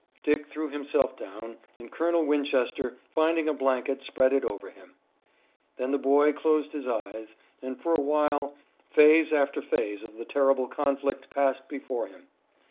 Dick threw himself down and Colonel Winchester, finding a blanket, spread it over him. Then the boy closed his eyes, and, for a while, phase after phase of the terrible conflict passed before him.